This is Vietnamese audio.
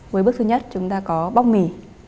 với bước thứ nhất chúng ta có bóc mì